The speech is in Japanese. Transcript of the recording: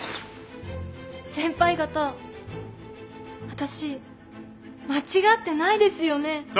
先輩方私間違ってないですよねぇ。